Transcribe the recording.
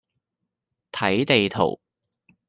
睇地圖